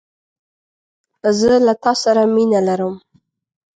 زه له تا سره مینه لرم